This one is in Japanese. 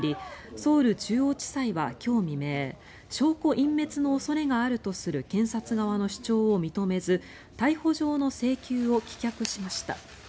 ソウル中央地裁は今日未明証拠隠滅の恐れがあるとする検察側の主張を認めず逮捕状の請求を棄却しました。